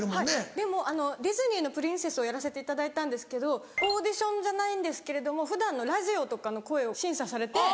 でもディズニーのプリンセスをやらせていただいたんですけどオーディションじゃないんですけれども普段のラジオとかの声を審査されて。